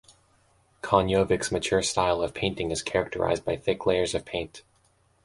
Konjovic's mature style of painting is characterised by thick layers of paint.